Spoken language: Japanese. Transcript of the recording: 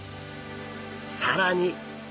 更に！